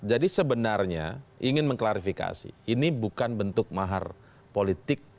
jadi sebenarnya ingin mengklarifikasi ini bukan bentuk mahar politik